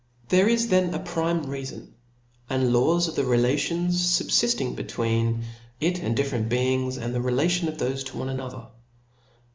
There is then a primitive reafon ; and laws are the relations fubfifting between it and diffe rent beings, and the relations of thefe to one another.